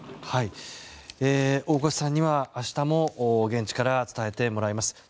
大越さんには明日も現地から伝えてもらいます。